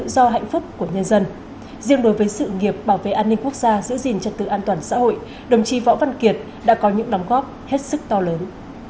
vì hạnh phúc của nhân dân riêng đối với sự nghiệp bảo vệ an ninh quốc gia giữ gìn trật tự an toàn xã hội đồng chí võ văn kiệt đã có những đóng góp hết sức to lớn